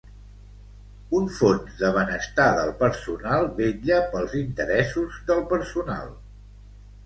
Un fons de benestar del personal vetlla pels interessos del personal.